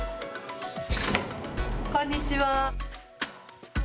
こんにちは。